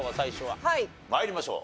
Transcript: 参りましょう。